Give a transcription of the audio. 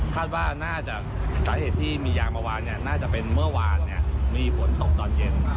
คาดว่าน่าจะสาเหตุที่มียางมาวางน่าจะเป็นเมื่อวานมีฝนตกตอนเย็น